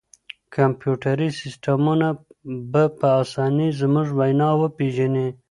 کمپیوټري سیسټمونه به په اسانۍ زموږ وینا وپېژني.